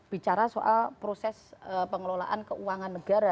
bicara soal proses pengelolaan keuangan negara